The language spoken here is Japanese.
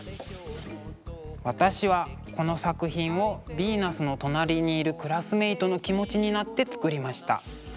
私はこの作品をヴィーナスの隣にいるクラスメートの気持ちになって作りました。